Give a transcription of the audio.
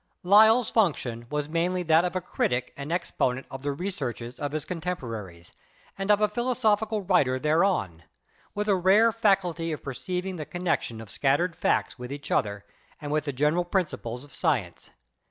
Lyell's function was mainly that of a critic and ex ponent of the researches of his contemporaries and of a philosophical writer thereon, with a rare faculty of per ceiving the connection of scattered facts with each other and with the general principles of science.